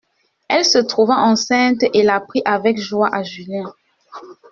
Elle se trouva enceinte et l'apprit avec joie à Julien.